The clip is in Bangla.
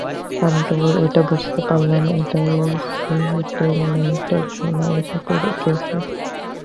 আমি কেবল এটা বুঝতে পারলাম একটা সেটেলমেন্টের সময় এসে গেছে।